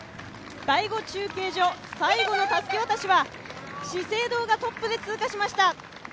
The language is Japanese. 第５中継所、最後のたすき渡しは資生堂がトップで通過しました。